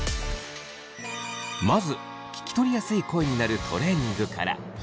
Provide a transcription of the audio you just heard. まず聞き取りやすい声になるトレーニングから。